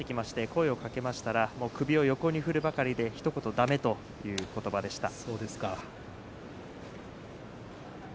声をかけたら首を横に振るだけでひと言だめということばでした。